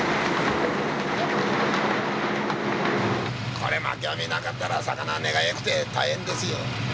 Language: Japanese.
これまき網なかったら魚は値がよくて大変ですよ。